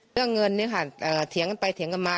เรื่องเงินนี่ค่ะเถียงกันไปเถียงกันมา